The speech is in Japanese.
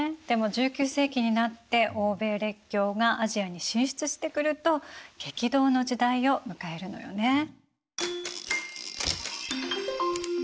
でも１９世紀になって欧米列強がアジアに進出してくると激動の時代を迎えるのよね。